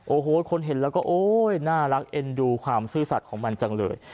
โอ้โหคนเห็นแล้วก็โอ๊ยน่ารักเอ็นดูความซื่อสัตว์ของมันจังเลย